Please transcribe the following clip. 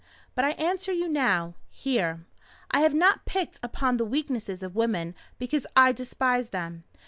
But I answer you now here. I have not picked upon the weaknesses of women because I despise them.